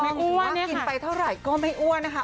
อ้วนกินไปเท่าไหร่ก็ไม่อ้วนนะคะ